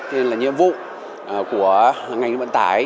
đây là nhiệm vụ của ngành vận tải